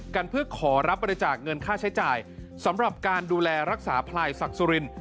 เพื่อขอรับบริจาคเงินค่าใช้จ่ายสำหรับการดูแลรักษาพลายศักดิ์สุริน